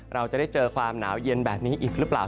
เราจะได้เจอความหนาวเย็นแบบนี้อีกหรือเปล่า